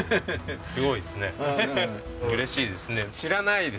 すごいですね。